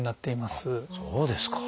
そうですか。